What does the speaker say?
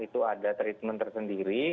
itu ada treatment tersendiri